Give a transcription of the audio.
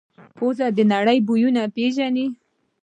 پزه د نړۍ بویونه پېژني.